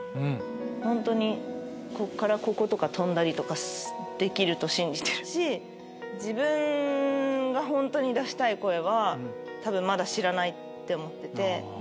本当にここからこことか跳んだりできると信じてるし自分が本当に出したい声は多分まだ知らないって思ってて。